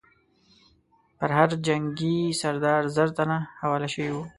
پر هر جنګي سردار زر تنه حواله شوي وو.